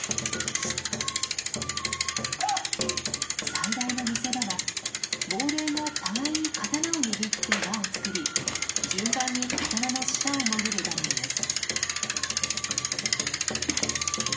最大の見せ場は亡霊が互いに刀を握って輪を作り順番に刀の下を潜る場面です。